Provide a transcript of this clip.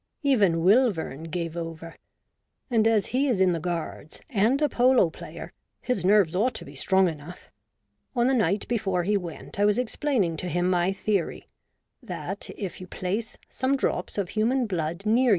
Even Wilvern gave over; and as he is in the Guards, and a polo player, his nerves ought to be strong enough. On the night before he went I was explaining to him my theory, that if you place some drops of human blood near WHEN I WAS DEAD.